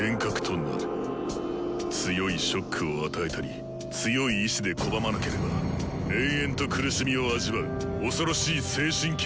強いショックを与えたり強い意志で拒まなければ延々と苦しみを味わう恐ろしい精神系の魔術だ。